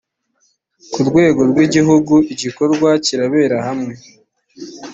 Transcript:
ku rwego rw’ igihugu igikorwa kiraberahamwe.